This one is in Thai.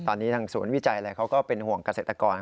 ตอนนี้ทางศูนย์วิจัยอะไรเขาก็เป็นห่วงเกษตรกร